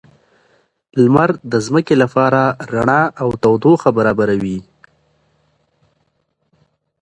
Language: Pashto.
لمر د ځمکې لپاره رڼا او تودوخه برابروي